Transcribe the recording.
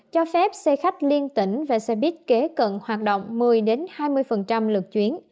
cho phép xe khách liên tỉnh và xe buýt kế cận hoạt động một mươi hai mươi lượt chuyến